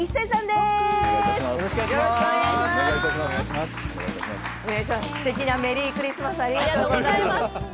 すてきなメリークリスマスありがとうございます。